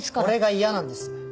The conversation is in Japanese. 俺が嫌なんです。